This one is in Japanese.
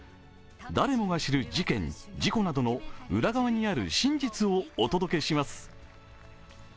誰もが知る事件、事故などの裏側にある真実をお届けします。